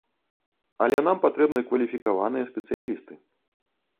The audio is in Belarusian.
Але нам патрэбны кваліфікаваныя спецыялісты.